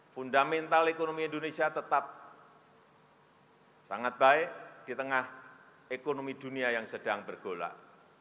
fundamental ekonomi indonesia tetap sangat baik di tengah ekonomi dunia yang sedang bergolak